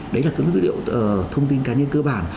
đấy là các dữ liệu thông tin cá nhân cơ bản